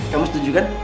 kamu setuju kan